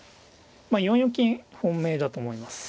４四金本命だと思います。